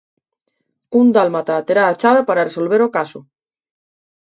Un dálmata terá a chave para resolver o caso.